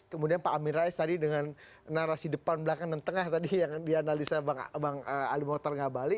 kemudian pak amin rais tadi dengan narasi depan belakang dan tengah tadi yang dianalisa bang ali mohtar ngabali